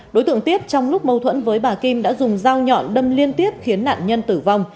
đối tượng tiếp trong lúc mâu thuẫn với bà kim đã dùng dao nhọn đâm liên tiếp khiến nạn nhân tử vong